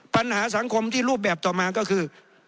ปัญหาสังคมที่รูปแบบต่อมาก็คือ